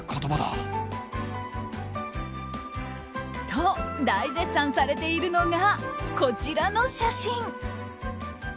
と、大絶賛されているのがこちらの写真。